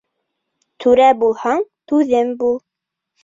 Түрә булһаң, түҙем бул